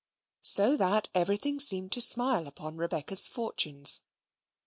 So that everything seemed to smile upon Rebecca's fortunes.